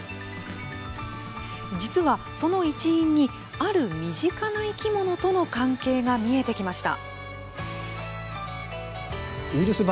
実はその一因に、ある身近な生き物との関係が見えてきました。